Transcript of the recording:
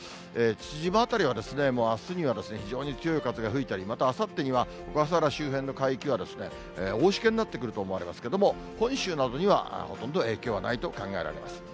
父島辺りはもうあすには非常に強い風が吹いたり、またあさってには、小笠原周辺の海域は大しけになってくると思われますけれども、本州などにはほとんど影響はないと考えられます。